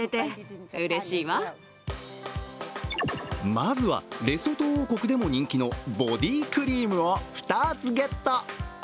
まずは、レソト王国でも人気のボディクリームを２つゲット。